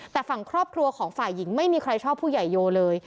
แต่ฝั่งครอบครัวของฝ่ายหญิงไม่มีใครชอบผู้ใหญ่โยเลย